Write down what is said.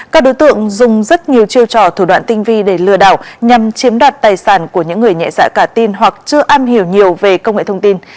các đối tượng dùng rất nhiều chiêu trò thủ đoạn tinh vi để lừa đảo nhằm chiếm đoạt tài sản của những người nhẹ dạ cả tin hoặc chưa am hiểu nhiều về công nghệ thông tin